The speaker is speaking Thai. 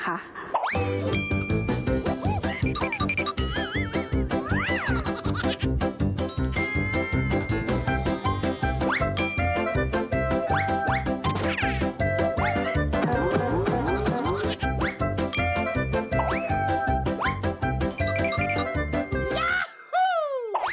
ย้าหู้